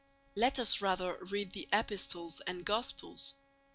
Let us rather read the Epistles and Gospels.